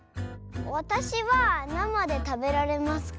わたしはなまでたべられますか？